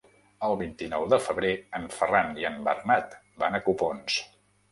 El vint-i-nou de febrer en Ferran i en Bernat van a Copons.